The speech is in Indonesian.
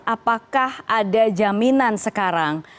apakah ada jaminan sekarang